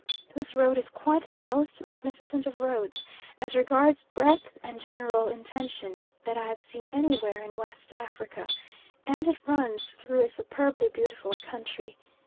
This road is quite the most magnificent of roads, as regards breadth and general intention, that I have seen anywhere in West Africa, and it runs through a superbly beautiful country.